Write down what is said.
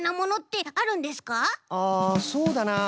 あそうだな